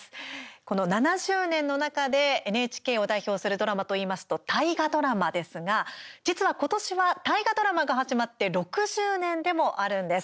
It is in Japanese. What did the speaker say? この７０年の中でＮＨＫを代表するドラマといいますと大河ドラマですが実は今年は大河ドラマが始まって６０年でもあるんです。